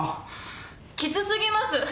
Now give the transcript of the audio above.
きつ過ぎます。